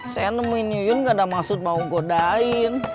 saya nemuin nyuyun gak ada maksud mau godain